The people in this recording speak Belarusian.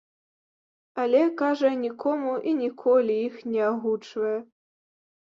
Але, кажа, нікому і ніколі іх не агучвае.